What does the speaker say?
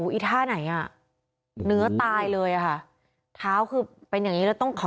อีท่าไหนอ่ะ